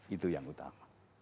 itu yang utama